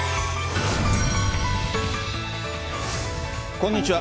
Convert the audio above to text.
こんにちは。